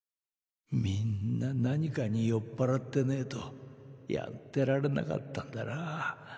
みんな何かに酔っ払ってねぇとやってられなかったんだな。